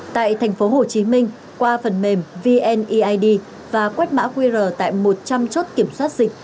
tại thành phố hồ chí minh qua phần mềm vneid và quét mã qr tại một trăm linh chốt kiểm soát dịch